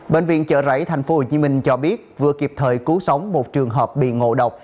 bệnh viện chợ rẫy tp hcm cho biết vừa kịp thời cứu sống một trường hợp bị ngộ độc